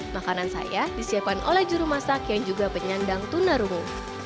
makanan saya disiapkan oleh jurumasak yang juga penyandang tuna rungu